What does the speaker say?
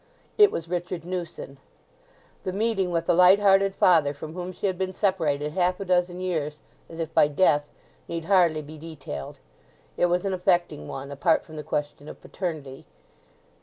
It was Richard Newson. The meeting with the light hearted father from whom she had been separated half a dozen years, as if by death, need hardly be detailed. It was an affecting one, apart from the question of paternity.